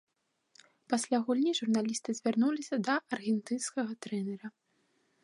Пасля гульні журналісты звярнуліся да аргентынскага трэнера.